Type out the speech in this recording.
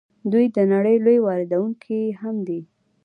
دوی د نړۍ لوی واردونکی هم دي.